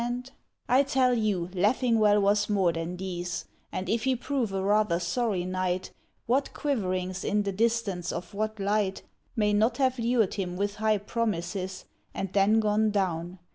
1449 I tell you, Leffingwell was more than these; And if he prove a rather sorry knight, What quiverings in the distance of what light May not have lured him with high promises, And then gone down?